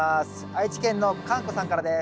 愛知県のかんこさんからです。